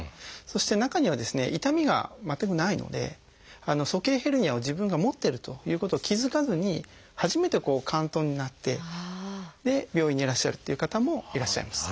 そして中にはですね痛みが全くないので鼠径ヘルニアを自分が持ってるということを気付かずに初めて嵌頓になって病院にいらっしゃるっていう方もいらっしゃいます。